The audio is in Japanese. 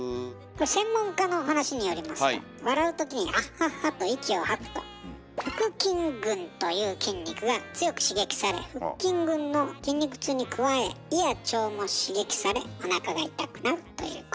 専門家の話によりますと笑うときにアッハッハッと息を吐くと腹筋群という筋肉が強く刺激され腹筋群の筋肉痛に加え胃や腸も刺激されおなかが痛くなるということです。